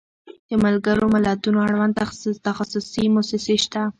د ملګرو ملتونو اړوند تخصصي موسسې شته.